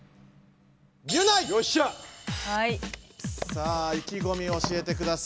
さあ意気ごみを教えてください。